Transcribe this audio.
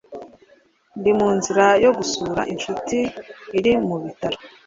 ndi munzira yo gusura inshuti iri mubitaro